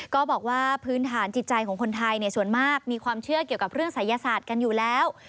ก็บอกว่าพื้นฐานจิตใจของคนไทยส่วนมากมีความเชื่อเกี่ยวกับเรื่องศัยศาสตร์กันอยู่แล้ว